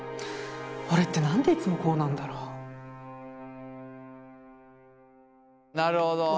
俺って何でいつもこうなんだろうなるほど。